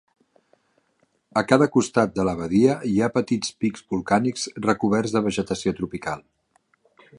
A cada costat de la badia hi ha petits pics volcànics recoberts de vegetació tropical.